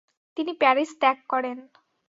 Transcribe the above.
তিনি প্যারিস ত্যাগ করেন।